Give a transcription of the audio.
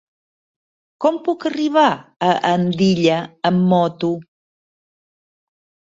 Com puc arribar a Andilla amb moto?